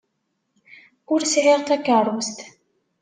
Ur sɛiɣ takeṛṛust.